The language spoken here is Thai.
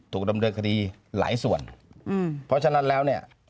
ถูกดำเนินคดีหลายส่วนอืมเพราะฉะนั้นแล้วเนี่ย